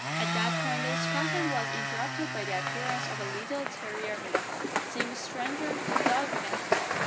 At that point the discussion was interrupted by the appearance of a little terrier in the hall. Seeing strangers, the dog began to bark.